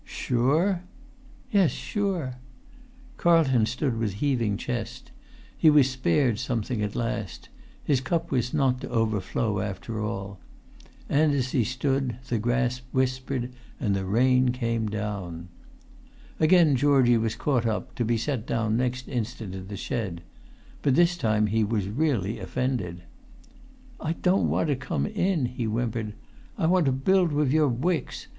"Sure?" "Yes, sure." Carlton stood with heaving chest. He was spared something at last; his cup was not to overflow after all. And, as he stood, the grass whispered, and the rain came down. Again Georgie was caught up, to be set down next instant in the shed; but this time he was really offended. "I don't want to come in," he whimpered. "I want to build wif your bwicks.